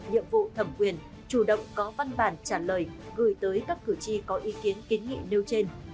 nhiệm vụ thẩm quyền chủ động có văn bản trả lời gửi tới các cử tri có ý kiến kiến nghị nêu trên